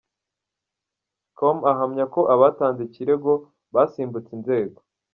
com ahamya ko abatanze ikirego basimbutse inzego.